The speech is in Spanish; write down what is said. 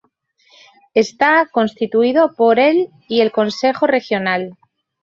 Está constituido por el y el consejo regional.